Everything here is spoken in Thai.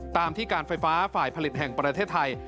ตามที่การไฟฟ้าฝ่ายผลิตแห่งประเทศไทย